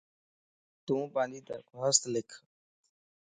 تون پانجي درخواست لک